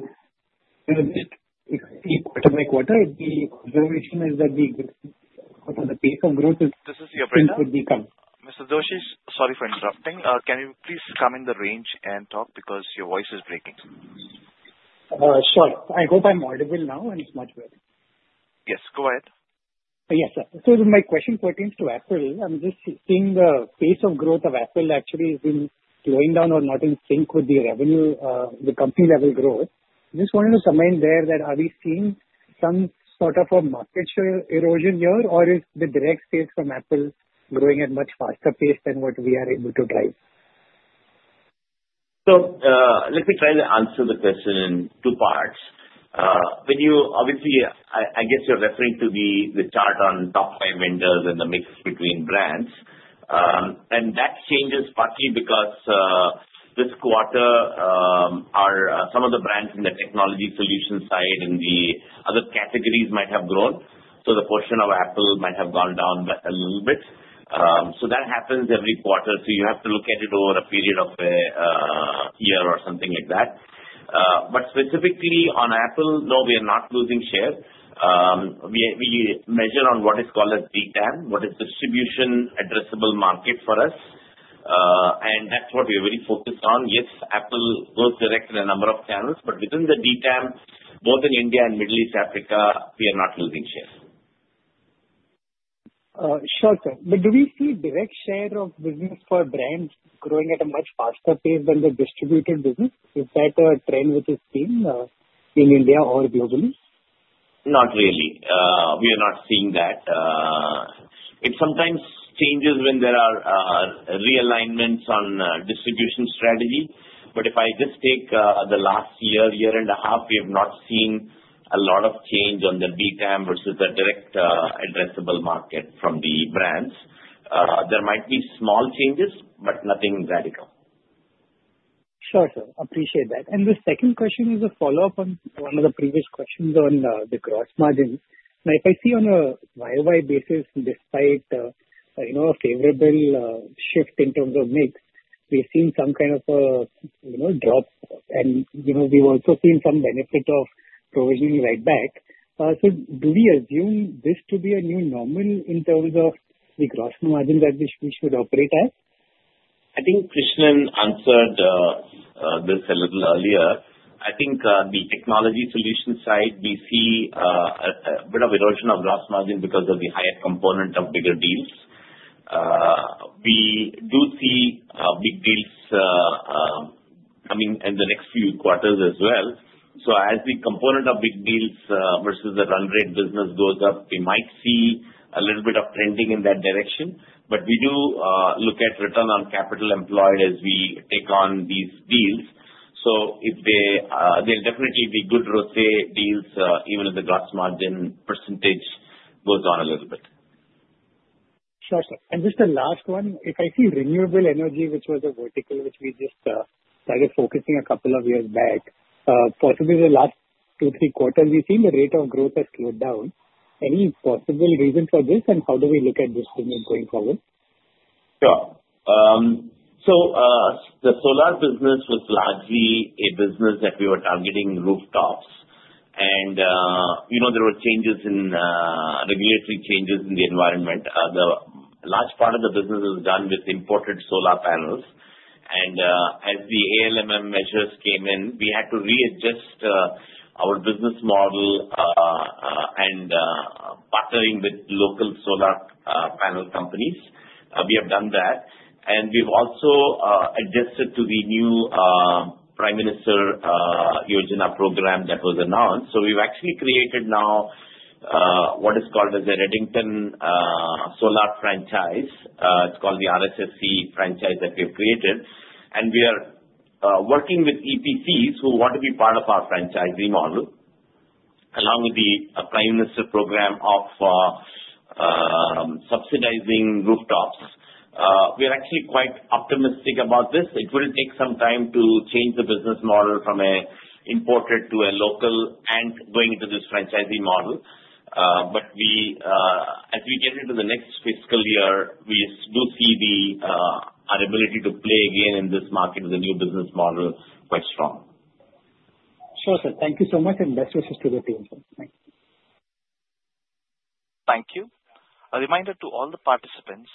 if I see quarter by quarter, the observation is that the pace of growth <audio distortion> This is your breakdown. Mr. Doshi? Sorry for interrupting. Can you please come in the range and talk because your voice is breaking? Sure. I hope I'm audible now, and it's much better. Yes. Go ahead. Yes, so my question pertains to Apple. I'm just seeing the pace of growth of Apple actually has been slowing down or not in sync with the revenue, the company-level growth. I just wanted to comment there that are we seeing some sort of a market share erosion here, or is the direct sales from Apple growing at a much faster pace than what we are able to drive? So let me try to answer the question in two parts. Obviously, I guess you're referring to the chart on top five vendors and the mix between brands. And that changes partly because this quarter, some of the brands in the technology solution side and the other categories might have grown. So the portion of Apple might have gone down a little bit. So that happens every quarter. So you have to look at it over a period of a year or something like that. But specifically on Apple, no, we are not losing share. We measure on what is called a DTAM, what is the Distribution Total Addressable Market for us. And that's what we are really focused on. Yes, Apple goes direct in a number of channels, but within the DTAM, both in India and Middle East and Africa, we are not losing share. Short term, but do we see direct share of business for brands growing at a much faster pace than the distributed business? Is that a trend which is seen in India or globally? Not really. We are not seeing that. It sometimes changes when there are realignments on distribution strategy. But if I just take the last year, year and a half, we have not seen a lot of change on the DTAM versus the direct addressable market from the brands. There might be small changes, but nothing radical. Sure. Sure. Appreciate that. And the second question is a follow-up on one of the previous questions on the gross margin. Now, if I see on a YoY basis, despite a favorable shift in terms of mix, we've seen some kind of a drop, and we've also seen some benefit of provisioning write-back. So do we assume this to be a new normal in terms of the gross margins that we should operate at? I think Krishnan answered this a little earlier. I think the technology solution side, we see a bit of erosion of gross margin because of the higher component of bigger deals. We do see big deals coming in the next few quarters as well. So as the component of big deals versus the run rate business goes up, we might see a little bit of trending in that direction. But we do look at return on capital employed as we take on these deals. So there'll definitely be good ROCE deals even if the gross margin percentage goes down a little bit. Sure. Sure. And just the last one, if I see renewable energy, which was a vertical which we just started focusing a couple of years back, possibly the last two, three quarters, we've seen the rate of growth has slowed down. Any possible reason for this, and how do we look at this going forward? Sure. So the solar business was largely a business that we were targeting rooftops, and there were regulatory changes in the environment. A large part of the business was done with imported solar panels, and as the ALMM measures came in, we had to readjust our business model and partnering with local solar panel companies. We have done that, and we've also adjusted to the new Prime Minister Yojana program that was announced, so we've actually created now what is called a Redington Solar Franchise. It's called the RSFC franchise that we have created, and we are working with EPCs who want to be part of our franchisee model, along with the Prime Minister program of subsidizing rooftops. We are actually quite optimistic about this. It will take some time to change the business model from an imported to a local and going into this franchisee model. But as we get into the next fiscal year, we do see our ability to play again in this market with a new business model quite strong. Sure. Sir. Thank you so much, and best wishes to the team. Thanks. Thank you. A reminder to all the participants,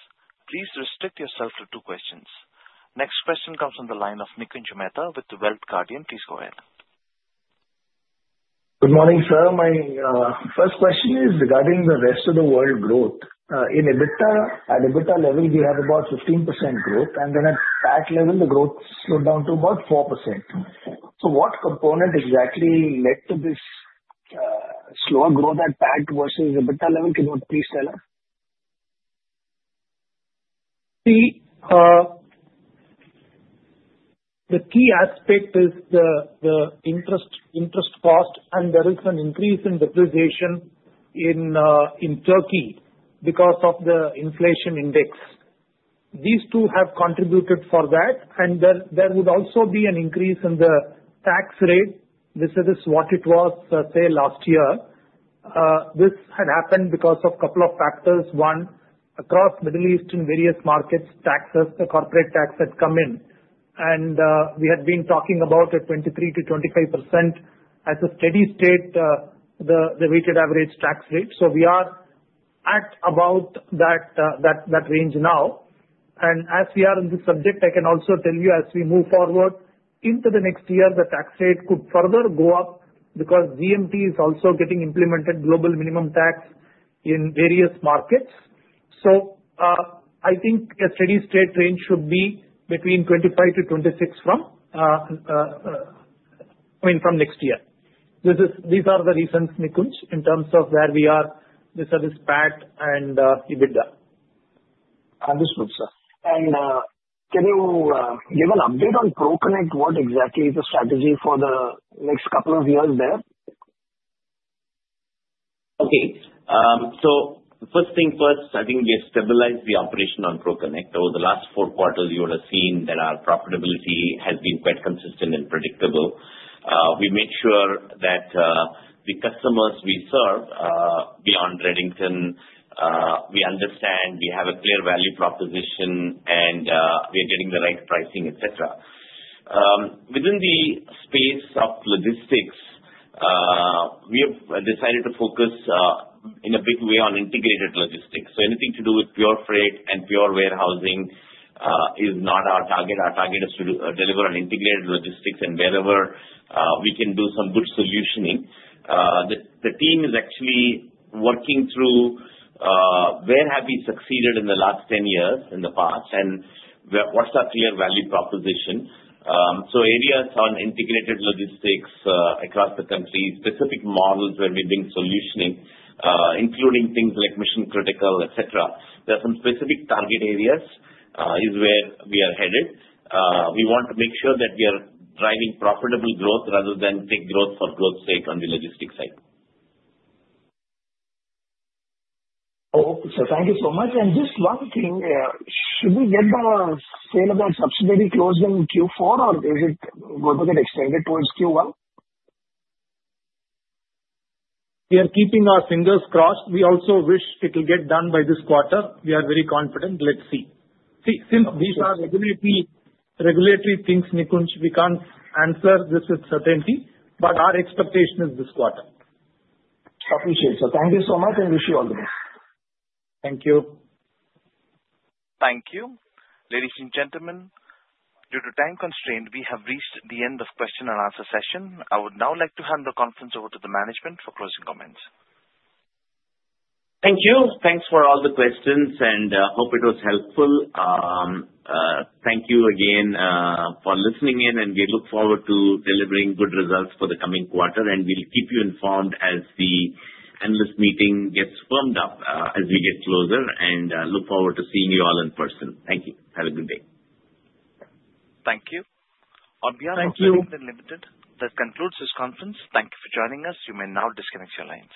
please restrict yourself to two questions. Next question comes from the line of Nikunj Mehta with The Wealth Guardian. Please go ahead. Good morning, sir. My first question is regarding the rest of the world growth. In EBITDA, at EBITDA level, we have about 15% growth. And then at PAT level, the growth slowed down to about 4%. So what component exactly led to this slower growth at PAT versus EBITDA level? Can you please tell us? See, the key aspect is the interest cost, and there is an increase in depreciation in Turkey because of the inflation index. These two have contributed for that, and there would also be an increase in the tax rate. This is what it was, say, last year. This had happened because of a couple of factors. One, across Middle East and various markets, corporate tax had come in. And we had been talking about a 23%-25% as a steady-state weighted average tax rate. So we are at about that range now. And as we are on this subject, I can also tell you, as we move forward into the next year, the tax rate could further go up because GMT is also getting implemented Global Minimum Tax in various markets. So I think a steady-state range should be between 25% to 26% from next year. These are the reasons, Nikunj, in terms of where we are. This is PAT and EBITDA. Understood, sir. And can you give an update on ProConnect? What exactly is the strategy for the next couple of years there? Okay. So first things first, I think we have stabilized the operation on ProConnect. Over the last four quarters, you would have seen that our profitability has been quite consistent and predictable. We made sure that the customers we serve, beyond Redington, we understand we have a clear value proposition, and we are getting the right pricing, etc. Within the space of logistics, we have decided to focus in a big way on integrated logistics. So anything to do with pure freight and pure warehousing is not our target. Our target is to deliver on integrated logistics, and wherever we can do some good solutioning. The team is actually working through where have we succeeded in the last 10 years in the past and what's our clear value proposition. So areas on integrated logistics across the country, specific models where we bring solutioning, including things like mission-critical, etc. There are some specific target areas where we are headed. We want to make sure that we are driving profitable growth rather than take growth for growth's sake on the logistics side. Okay. Thank you so much. Just one thing. Should we get the sale of our subsidiary closed in Q4, or is it going to get extended towards Q1? We are keeping our fingers crossed. We also wish it will get done by this quarter. We are very confident. Let's see. See, since these are regulatory things, Nikunj, we can't answer this with certainty, but our expectation is this quarter. Appreciate it, sir. Thank you so much, and wish you all the best. Thank you. Thank you. Ladies and gentlemen, due to time constraint, we have reached the end of the question and answer session. I would now like to hand the conference over to the management for closing comments. Thank you. Thanks for all the questions, and I hope it was helpful. Thank you again for listening in, and we look forward to delivering good results for the coming quarter, and we'll keep you informed as the analyst meeting gets firmed up as we get closer, and look forward to seeing you all in person. Thank you. Have a good day. Thank you. On behalf of Redington Limited, this concludes this conference. Thank you for joining us. You may now disconnect your lines.